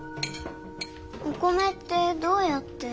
お米ってどうやって。